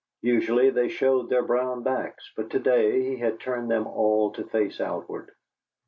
Usually they showed their brown backs, but to day he had turned them all to face outward.